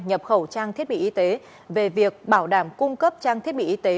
nhập khẩu trang thiết bị y tế về việc bảo đảm cung cấp trang thiết bị y tế